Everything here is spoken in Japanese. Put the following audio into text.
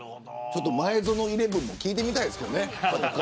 前園イレブンも聞いてみたいですね。